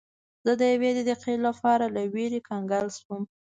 زه د یوې دقیقې لپاره له ویرې کنګل شوم.